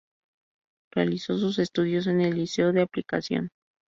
Realizó sus estudios en el Liceo de Aplicación.